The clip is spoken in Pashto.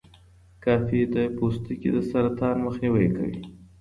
کافي د پوستکي د سرطان مخنیوی کوي.